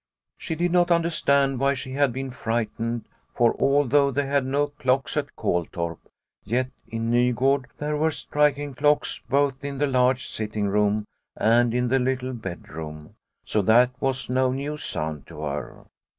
She did not under stand why she had been frightened, for, although they had no clocks at Koltorp, yet in Nugord there were striking clocks both in the large sitting room and in the little bedroom, so that it was no new sound to her.